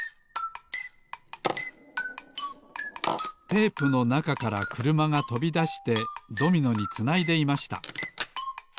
テープのなかからくるまがとびだしてドミノにつないでいました